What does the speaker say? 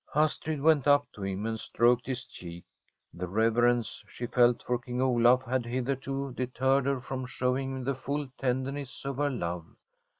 Astrid went up to him and stroked his cheek. The reverence she felt for King Olaf had hitherto deterred her from showing him the full tender ness of her love.